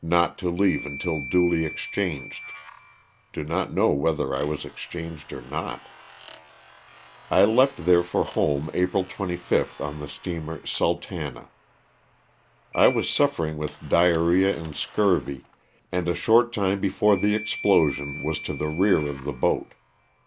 not to leave until duly exchanged (do not know whether 1 was exchanged or not). I left there for home April 25th on the steamer "Sultana.'' I was suffering with diar rhea and scurvy, and a short time before the explosion was to the rear of the boat.